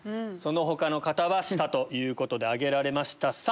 その他の方は下ということで挙げられました。